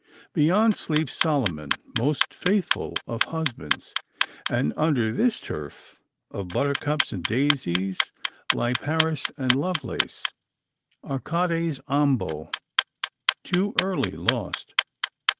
Beyond sleeps Solomon, most faithful of husbands; and under this turf of buttercups and daisies lie Paris and Lovelace, arcades ambo, too early lost.